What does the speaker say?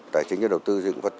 tài chính và đầu tư dựng phát triển